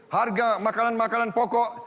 harga makanan makanan pokok